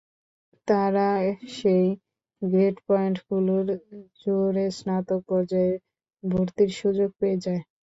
তারাও সেই গ্রেড পয়েন্টগুলোর জোরে স্নাতক পর্যায়ে ভর্তির সুযোগ পেয়ে যায়।